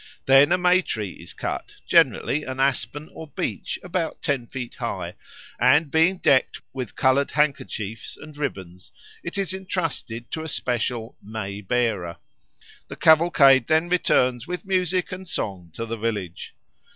Then a May tree is cut, generally an aspen or beech about ten feet high; and being decked with coloured handkerchiefs and ribbons it is entrusted to a special "May bearer." The cavalcade then returns with music and song to the village.